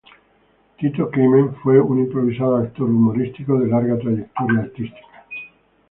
Tito Climent fue un improvisado actor humorístico de larga trayectoria artística.